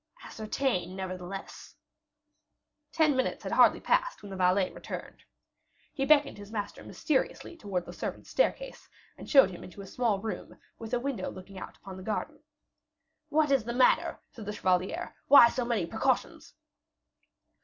"Ascertain, nevertheless." Ten minutes had hardly passed, when the valet returned. He beckoned his master mysteriously towards the servants' staircase, and showed him into a small room with a window looking out upon the garden. "What is the matter?" said the chevalier; "why so many precautions?"